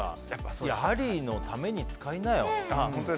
ハリーのために使いなよ。